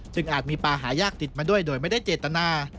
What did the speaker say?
อาจมีปลาหายากติดมาด้วยโดยไม่ได้เจตนา